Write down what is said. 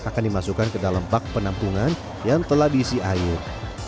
akan dimasukkan ke dalam bak penampungan yang telah diisi air